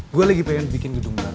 gue lagi pengen bikin gedung merah